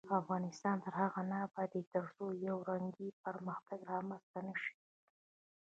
افغانستان تر هغو نه ابادیږي، ترڅو یو رنګی پرمختګ رامنځته نشي.